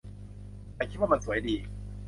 ฉันคิดว่ามันสวยดี